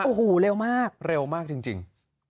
โอ้โหเร็วมากเร็วมากจริง